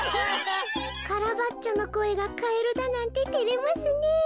カラバッチョのこえがカエルだなんててれますねえ。